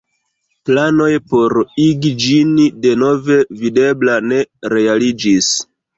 Planoj por igi ĝin denove videbla ne realiĝis.